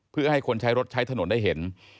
เพื่อให้คนใช้รถใช้ถนนได้เห็น